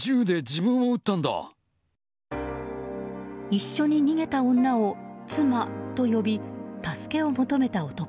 一緒に逃げた女を妻と呼び助けを求めた男。